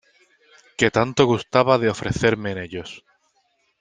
que tanto gustaba de ofrecerme en ellos.